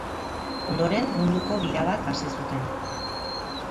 Ondoren Munduko bira bat hasi zuten.